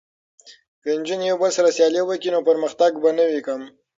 که نجونې یو بل سره سیالي وکړي نو پرمختګ به نه وي کم.